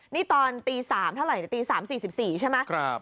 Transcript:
นี่ตอนตี๓เท่าไหร่ตี๓๔๔ใช่ไหม